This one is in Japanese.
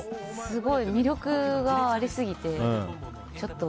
すごい魅力がありすぎて。